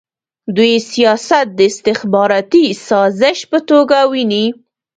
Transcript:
دوی سیاست د استخباراتي سازش په توګه ویني.